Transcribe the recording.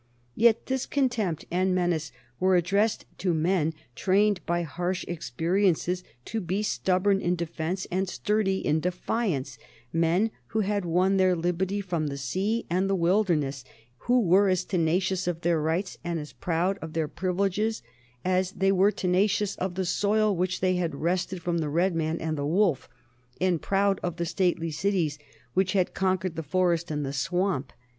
Yet this contempt and menace were addressed to men trained by harsh experiences to be stubborn in defence and sturdy in defiance, men who had won their liberty from the sea and the wilderness, who were as tenacious of their rights and as proud of their privileges as they were tenacious of the soil which they had wrested from the red man and the wolf, and proud of the stately cities which had conquered the forest and the swamp.